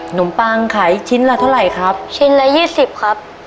มปังขายชิ้นละเท่าไหร่ครับชิ้นละยี่สิบครับ